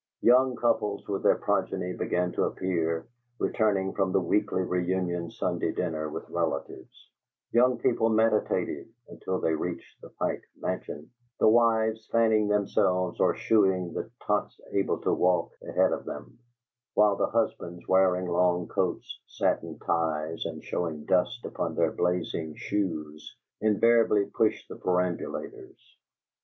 Young couples with their progeny began to appear, returning from the weekly reunion Sunday dinner with relatives; young people meditative (until they reached the Pike Mansion), the wives fanning themselves or shooing the tots able to walk ahead of them, while the husbands, wearing long coats, satin ties, and showing dust upon their blazing shoes, invariably pushed the perambulators.